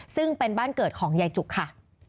ซึ่งเป็นบ้านเกิดของยายจุกค่ะ